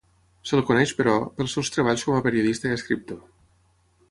Se’l coneix, però, pels seus treballs com a periodista i escriptor.